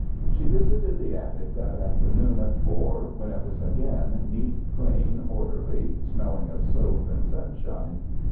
She visited the attic that afternoon at four, when it was again neat, clean, orderly, smelling of soap and sunshine.